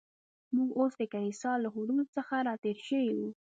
موږ اوس د کلیسا له حدودو څخه را تېر شوي و.